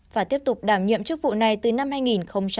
và tiếp tục đảm nhiệm trước vụ này từ năm hai nghìn